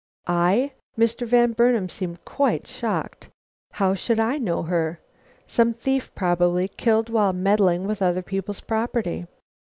"I?" Mr. Van Burnam seemed quite shocked. "How should I know her! Some thief probably, killed while meddling with other people's property."